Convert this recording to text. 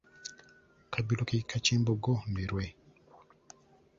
Akabbiro k’ekika ky’Embogo Ndeerwe.